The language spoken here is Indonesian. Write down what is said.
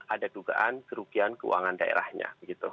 ada dugaan kerugian keuangan daerahnya